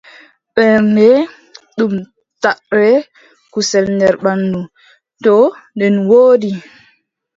Ɓernde, ɗum taʼre kusel nder ɓanndu, to nde woodi,